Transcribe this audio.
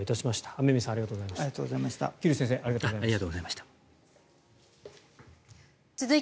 雨宮さん、桐生先生ありがとうございました。